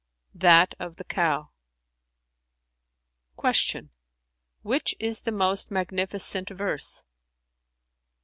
"That of The Cow.[FN#352]" Q "Which is the most magnificent verse?"